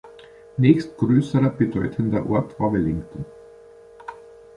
Nächst größerer bedeutender Ort war Wellington.